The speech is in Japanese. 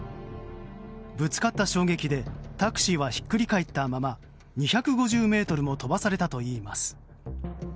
ぶつかった衝撃でタクシーはひっくり返ったまま２５０ｍも飛ばされたといいます。